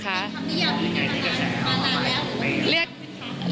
เป็นคำนี้อย่างนี้มานานแล้ว